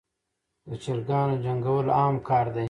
دچراګانو جنګول عام کار دی.